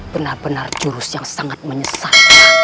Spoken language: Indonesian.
benar benar jurus yang sangat menyesat